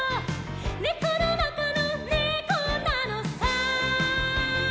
「ねこのなかのねこなのさ」